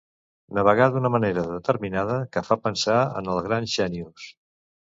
Navegar d'una manera determinada que fa pensar en el gran Xènius.